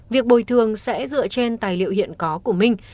việc bồi thường sẽ dựa trên tài liệu hiện có của minh